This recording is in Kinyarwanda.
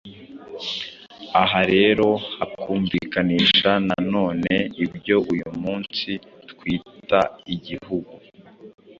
Aha rero hakumvikanisha na none ibyo uyu munsi twita Igihugu